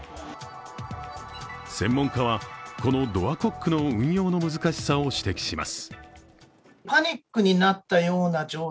専門家は、このドアコックの運用の難しさを指摘します。